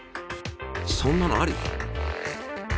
そんなのあり？